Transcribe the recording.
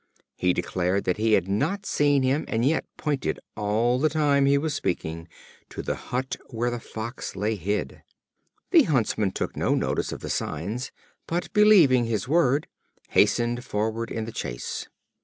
He declared that he had not seen him, and yet pointed, all the time he was speaking, to the hut where the Fox lay hid. The Huntsman took no notice of the signs, but, believing his word, hastened forward in the chase.